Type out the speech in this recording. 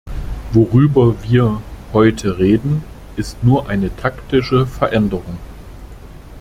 Worüber wir heute reden, ist nur eine taktische Veränderung.